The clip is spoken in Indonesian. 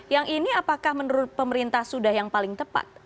yang ini apakah menurut pemerintah sudah yang paling tepat